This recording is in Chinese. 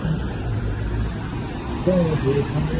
氨基脲药物中呋喃西林的代谢物。